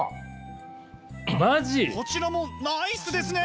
こちらもナイスですね！